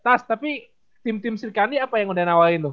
tas tapi tim tim sri kandi apa yang udah nawarin loh